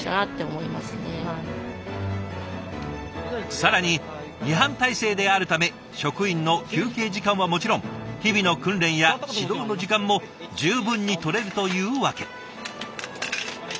更に２班体制であるため職員の休憩時間はもちろん日々の訓練や指導の時間も十分にとれるというわけ。